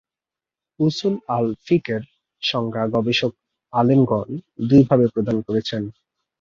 উসুল আল ফিকহের সংজ্ঞা গবেষক আলেমগণ দুই ভাবে প্রদান করেছেন।